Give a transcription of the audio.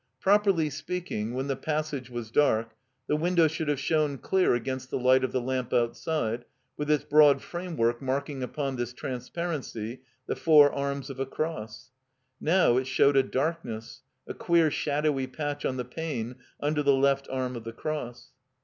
Properly speaking, when the pass age was dark, the window should have shown dear against the light of the lamp outside, with its broad framework marking upon this transparency the four arms of a cross. Now it showed a darkness, a queer shadowy patch on the pane tmder the left arm of the cross.